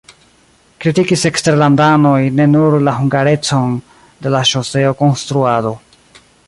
Kritikis eksterlandanoj ne nur la hungarecon de la ŝoseo-konstruado.